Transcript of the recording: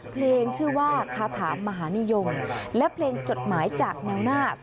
เพลงชื่อว่าคาถามหานิยมและเพลงจดหมายจากแนวหน้า